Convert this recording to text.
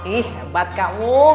ih hebat kamu